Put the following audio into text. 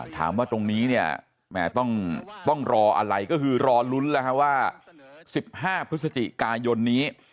ถามว่าตรงนี้เนี่ยแหมต้องรออะไรก็คือรอลุ้นแล้วว่า๑๕พฤศจิกายนนี้